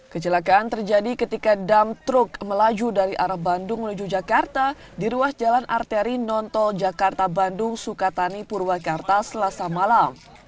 kecelakaan terjadi ketika dam truk melaju dari arah bandung menuju jakarta di ruas jalan arteri nontol jakarta bandung sukatani purwakarta selasa malam